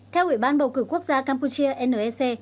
theo ủy ban bầu cử quốc gia campuchia nec